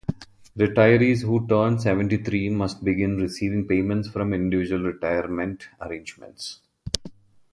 Retirees who turned seventy-three must begin receiving payments from Individual Retirement Arrangements.